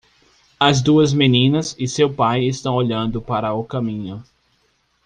As duas meninas e seu pai estão olhando para o caminho.